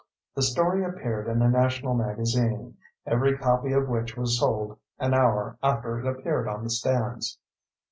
The story appeared in a national magazine, every copy of which was sold an hour after it appeared on the stands.